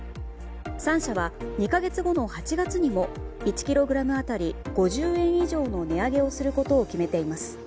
３社は２か月後の８月にも１ｋｇ当たり５０円以上の値上げをすることを決めています。